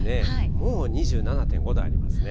もう２７．５度ありますね。